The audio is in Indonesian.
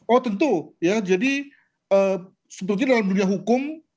oh tentu ya jadi sebetulnya dalam dunia hukum